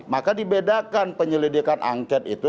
maka dibedakan penyelidikan angket itu